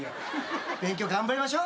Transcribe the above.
勉強頑張りましょう。